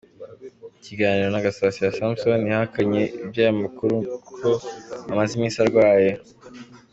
Mu kiganiro na Gasasira Samson yahakanye iby’aya makuru ngo kuko amaze iminsi arwaye.